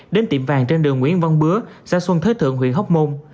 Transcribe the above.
đến tiệm vàng trên đường nguyễn văn bứa xã xuân thới thượng huyện hóc môn